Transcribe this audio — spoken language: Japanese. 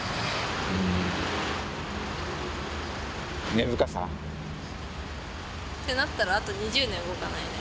根深さ。ってなったらあと２０年動かないね。